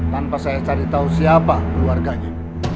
tanpa saya cari tahu siapa keluarganya